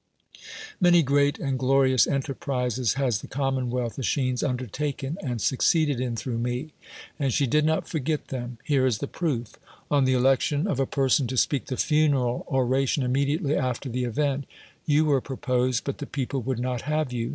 Many great and glorious enterprises has Ww coimnonwealth, ,Escliines, under! alccii and suc ceeded in through me; and sb" did not forget them. Here is tlie proof On the olectif^i of a person to speak the funeral oration innnclintely after the event, you were j)i o])OS"d, l)ut tln' [X'o j)lt' would not have you.